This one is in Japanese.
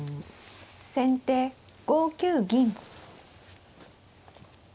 先手５九銀。